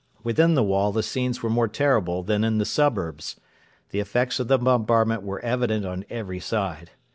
Within the wall the scenes were more terrible than in the suburbs. The effects of the bombardment were evident on every side.